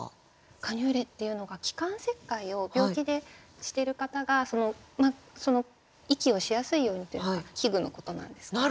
カニューレっていうのが気管切開を病気でしてる方が息をしやすいようにというか器具のことなんですけれど。